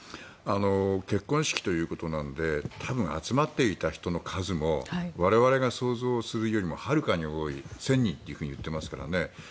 結婚式ということなので多分集まっていた人の数も我々が想像するよりもはるかに多い１０００人と言ってますからね。